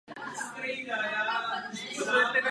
Lidé mají duchovní potřebu tvořit jen pro tvorbu samu.